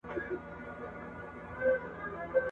مګر ولي، پښتانه لوستونکي !.